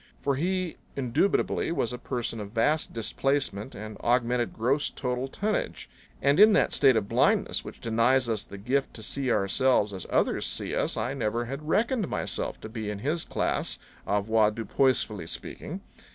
For he indubitably was a person of vast displacement and augmented gross total tonnage; and in that state of blindness which denies us the gift to see ourselves as others see us I never had reckoned myself to be in his class, avoir dupoisefully speaking.